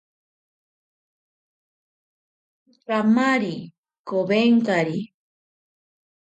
Kamari kowenkari.